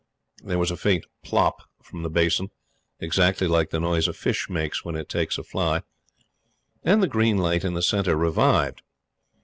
There was a faint "plop" from the basin exactly like the noise a fish makes when it takes a fly and the green light in the centre revived.